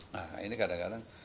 nah ini kadang kadang